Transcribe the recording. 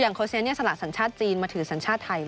อย่างโค้ชเชียสสละสัญชาติจีนมาถือสัญชาติไทยเลย